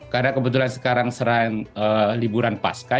karena kebetulan sekarang serang liburan pasca